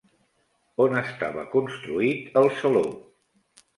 On estava construït el saló?